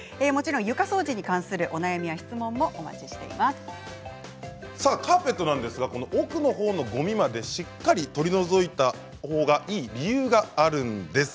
床掃除に関するお悩みや質問もカーペットは奥のほうのごみまで、しっかり取り除いておいたほうがいい理由があるんです。